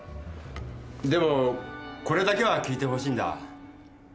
でもこれだけは聞いてほしいんだ。